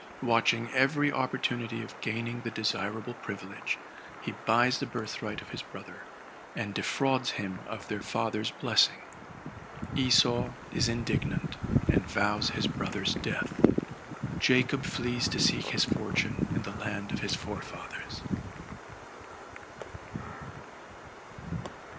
Watching every opportunity of gaining the de sirable privilege, he buys the birthright of his brother, and defrauds him of their father's blessing. Esau is indignant, and vows his brother's death: Jacob tlees to seek his fortune in the land of his forefathers.